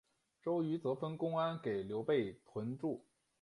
周瑜则分公安给刘备屯驻。